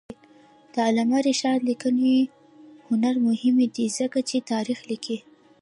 د علامه رشاد لیکنی هنر مهم دی ځکه چې تاریخ لیکي.